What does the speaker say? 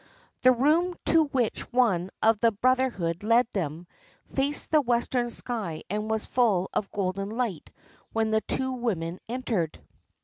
The room to which one of the brotherhood led them faced the western sky and was full of golden light when the two women entered.